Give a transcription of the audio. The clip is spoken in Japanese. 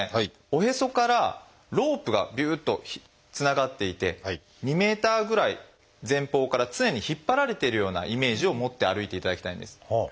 おへそからロープがびゅっとつながっていて２メーターぐらい前方から常に引っ張られているようなイメージを持って歩いていただきたいんです。